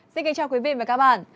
xin kính chào quý vị và các bạn